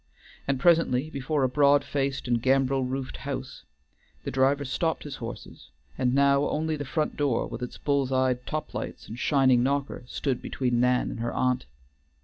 And presently before a broad faced and gambrel roofed house, the driver stopped his horses, and now only the front door with its bull's eyed top lights and shining knocker stood between Nan and her aunt.